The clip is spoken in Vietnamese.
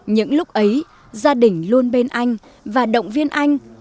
những lúc ấy gia đình luôn bên anh và động viên anh